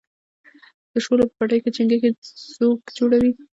د شولو په پټیو کې چنگښې ځوږ جوړوي.